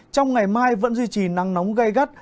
trong ngày mai vẫn duy trì nắng nóng gây gắt